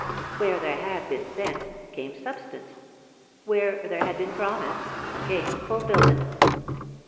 Where there had been scent, came substance; where there had been promise, came fulfilment.